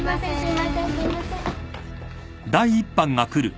すいません。